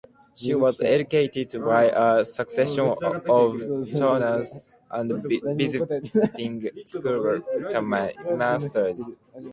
She was educated by a succession of tutors and visiting schoolmasters.